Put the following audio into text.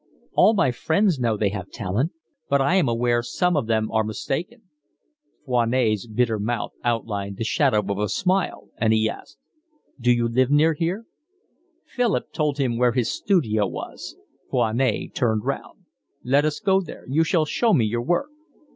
"All my friends know they have talent, but I am aware some of them are mistaken." Foinet's bitter mouth outlined the shadow of a smile, and he asked: "Do you live near here?" Philip told him where his studio was. Foinet turned round. "Let us go there? You shall show me your work."